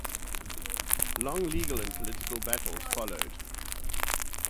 Long legal and political battles followed.